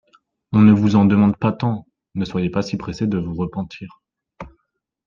On ne vous en demande pas tant ! ne soyez pas si pressée de vous repentir.